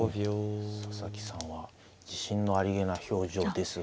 佐々木さんは自信のありげな表情ですが。